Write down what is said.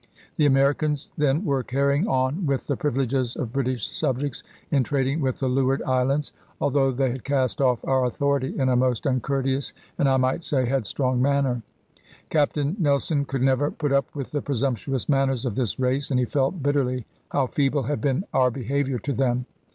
The Americans then were carrying on with the privileges of British subjects, in trading with the Leeward Islands; although they had cast off our authority in a most uncourteous, and I might say headstrong manner. Captain Nelson could never put up with the presumptuous manners of this race, and he felt bitterly how feeble had been our behaviour to them.